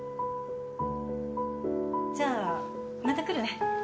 じゃあ、また来るね。